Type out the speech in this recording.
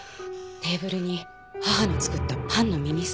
テーブルに母の作ったパンの耳ステーキが。